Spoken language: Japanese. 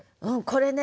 これね